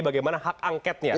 bagaimana hak angketnya